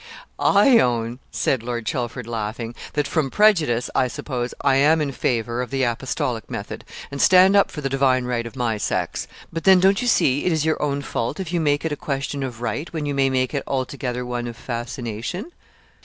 'I own,' said Lord Chelford, laughing, 'that, from prejudice, I suppose, I am in favour of the apostolic method, and stand up for the divine right of my sex; but then, don't you see, it is your own fault, if you make it a question of right, when you may make it altogether one of fascination?'